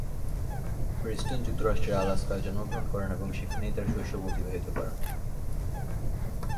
Preston যুক্তরাষ্ট্রের আলাস্কায় জন্মগ্রহণ করেন এবং সেখানেই তার শৈশব অতিবাহিত করেন।